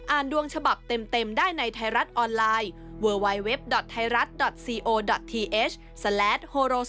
ดวงฉบับเต็มได้ในไทยรัฐออนไลน์